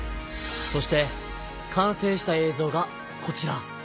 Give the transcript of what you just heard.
そしてかんせいした映像がこちら。